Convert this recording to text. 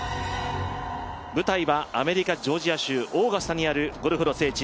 舞台はアメリカ・ジョージア州オーガスタにあるゴルフの聖地